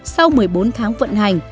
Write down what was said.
sau một mươi bốn tháng vận hành